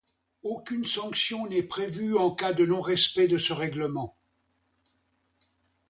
Aucune sanction n'est prévue en cas de non-respect de ce règlement.